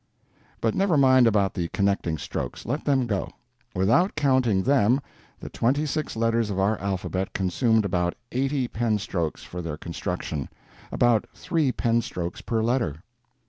But never mind about the connecting strokes—let them go. Without counting them, the twenty six letters of our alphabet consumed about eighty pen strokes for their construction—about three pen strokes per letter.